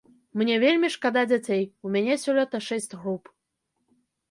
Мне вельмі шкада дзяцей, у мяне сёлета шэсць груп.